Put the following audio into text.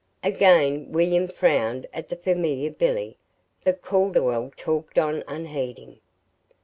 Again William frowned at the familiar "Billy"; but Calderwell talked on unheeding.